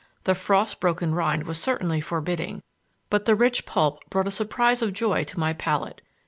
The frost broken rind was certainly forbidding, but the rich pulp brought a surprise of joy to my palate.